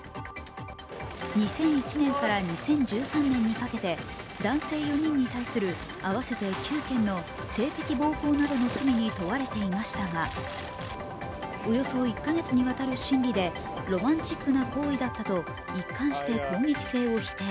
２００１年から２０１３年にかけて男性４人に対する合わせて９件の性的暴行などの罪に問われていましたが、およそ１か月にわたる審理でロマンチックな行為だったと一貫して攻撃性を否定。